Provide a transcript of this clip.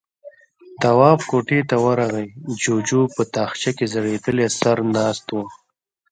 تواب کوټې ته ورغی، جُوجُو په تاخچه کې ځړېدلی سر ناست و.